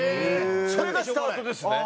それがスタートですね。